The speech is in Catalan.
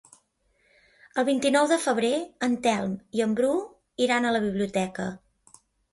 El vint-i-nou de febrer en Telm i en Bru iran a la biblioteca.